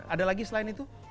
ada lagi selain itu